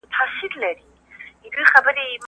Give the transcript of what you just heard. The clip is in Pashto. دولت د تولید په پروسه کي مرسته کوي.